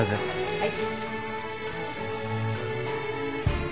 はい。